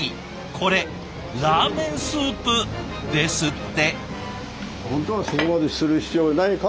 これラーメンスープですって。